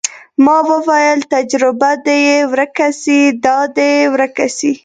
ما وويل تجربه دې يې ورکه سي دا دې ورکه سي.